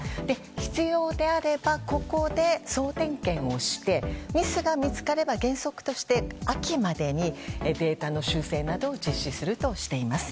必要であればここで総点検をしてミスが見つかれば原則として秋までにデータの修正などを実施するとしています。